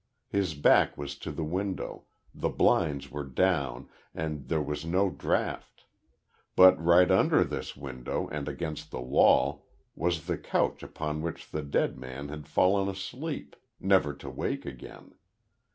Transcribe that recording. His back was to the window, the blinds were down and there was no draught. But right under this window, and against the wall, was the couch upon which the dead man had fallen asleep never to wake again.